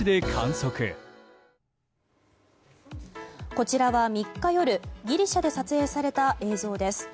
こちらは３日夜ギリシャで撮影された映像です。